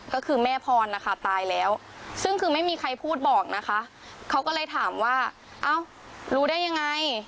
ก็คือแม่พรนะคะตายแล้วซึ่งคือไม่มีใครพูดบอกนะคะเขาก็เลยถามว่าเอ้ารู้ได้ยังไง